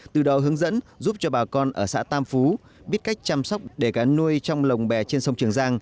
từ đó hướng dẫn giúp cho bà con ở xã tam phú biết cách chăm sóc để cá nuôi trong lồng bè trên sông trường giang